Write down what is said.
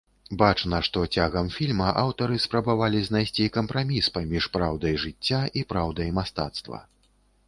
Бачна, што цягам фільма аўтары спрабавалі знайсці кампраміс паміж праўдай жыцця і праўдай мастацтва.